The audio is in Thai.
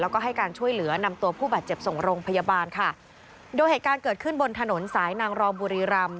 แล้วก็ให้การช่วยเหลือนำตัวผู้บาดเจ็บส่งโรงพยาบาลค่ะโดยเหตุการณ์เกิดขึ้นบนถนนสายนางรองบุรีรำ